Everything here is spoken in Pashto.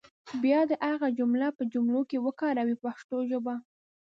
بیا دې هغه جمع کلمې په جملو کې وکاروي په پښتو ژبه.